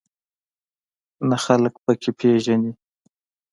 نه خلک په کې پېژنې.